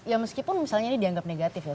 ya meskipun misalnya ini dianggap negatif ya